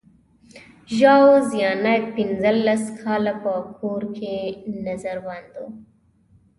ژاو زیانګ پنځلس کاله په کور کې نظر بند و.